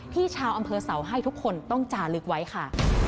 ชาวอำเภอเสาให้ทุกคนต้องจาลึกไว้ค่ะ